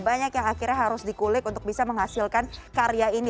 banyak yang akhirnya harus dikulik untuk bisa menghasilkan karya ini